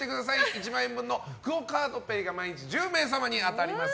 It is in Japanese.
１万円分のＱＵＯカードＰａｙが毎日１０名様に当たります。